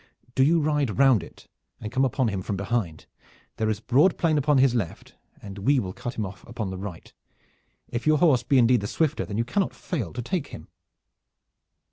Do you ride round it and come upon him from behind. There is broad plain upon his left, and we will cut him off upon the right. If your horse be indeed the swifter, then you cannot fail to take him."